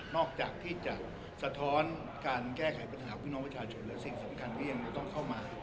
จากที่จะสะท้อนการแก้ไขปัญหาพี่น้องประชาชนแล้วสิ่งสำคัญที่ยังจะต้องเข้ามา